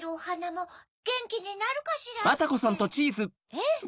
ええ。